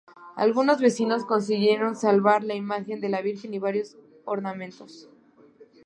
Algunos vecinos consiguieron salvar la imagen de la virgen y varios ornamentos.